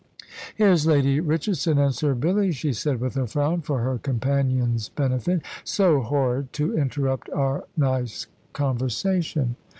"Here's Lady Richardson and Sir Billy," she said with a frown, for her companion's benefit. "So horrid, to interrupt our nice conversation!"